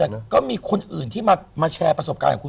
แต่ก็มีคนอื่นที่มาแชร์ประสบการณ์ของคุณ